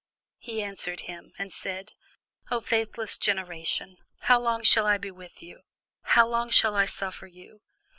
He answereth him, and saith, O faithless generation, how long shall I be with you? how long shall I suffer you?